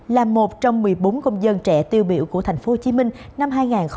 là một trong một mươi bốn công dân trẻ tiêu biểu của tp hcm năm hai nghìn hai mươi ba